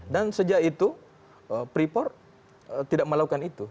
dan sejak itu freeport tidak melakukan itu